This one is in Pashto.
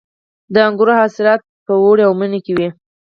د انګورو حاصلات په اوړي او مني کې وي.